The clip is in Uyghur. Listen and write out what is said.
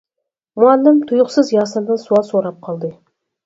مۇئەللىم تۇيۇقسىز ياسىندىن سوئال سوراپ قالدى.